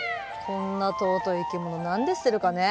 こんな尊い生き物何で捨てるかね。